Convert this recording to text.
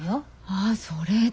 あそれで。